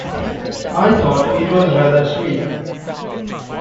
I thought it was rather sweet.